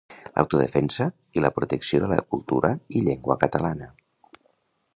L'autodefensa i la protecció de la cultura i llengua catalana.